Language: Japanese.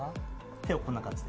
手をこんな感じで。